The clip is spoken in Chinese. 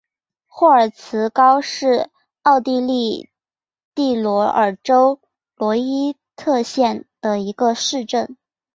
霍尔茨高是奥地利蒂罗尔州罗伊特县的一个市镇。